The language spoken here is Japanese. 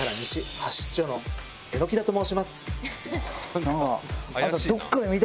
榎田と申します。